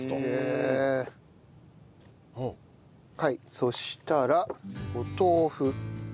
そしたらお豆腐。